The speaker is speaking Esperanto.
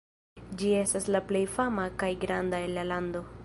Ĝi estas la plej fama kaj granda el la lando.